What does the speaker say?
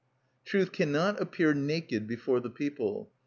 Truth cannot appear naked before the people.